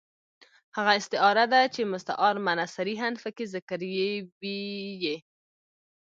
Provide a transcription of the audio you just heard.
هغه استعاره ده، چي مستعار منه صریحاً پکښي ذکر ىوى يي.